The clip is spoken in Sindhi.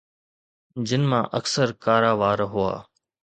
جن مان اڪثر ڪارا وار هئا